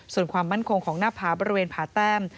ส่วนความมั่นคงของหน้าผาบริเวณผาแต้ม